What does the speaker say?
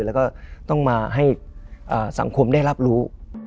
แล้วก็ต้องมาให้สังคมได้รับรู้